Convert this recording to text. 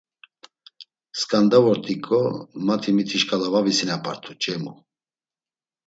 “Sǩanda vort̆iǩo, mati miti şǩala va visinapart̆u Ç̌emu.”